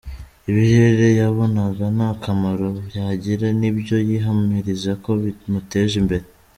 Ibirere yabonaga nta kamaro byagira ni byo yihamiriza ko bimuteje imbere.